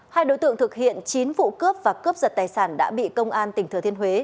hai đối tượng thực hiện chín vụ cướp và cướp giật tài sản đã bị công an tỉnh thừa thiên huế